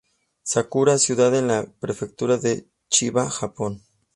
Sakura, ciudad en la prefectura de Chiba, Japón.